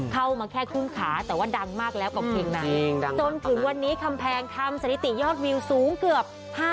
เข้ามาแค่ครึ่งขาแต่ว่าดังมากแล้วกับเพลงนั้นจนถึงวันนี้คำแพงทำสถิติยอดวิวสูงเกือบ